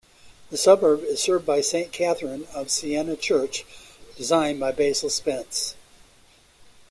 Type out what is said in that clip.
The suburb is served by Saint Catherine of Siena church, designed by Basil Spence.